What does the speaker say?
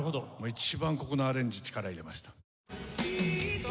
一番ここのアレンジ力入れました。